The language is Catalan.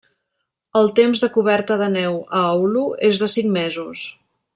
El temps de coberta de neu a Oulu és de cinc mesos.